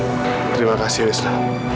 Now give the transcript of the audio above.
terima kasih wisnu